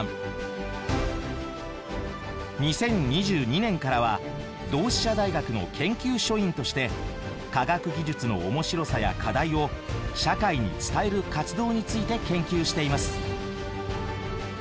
２０２２年からは同志社大学の研究所員として科学技術の面白さや課題を社会に伝える活動について研究しています。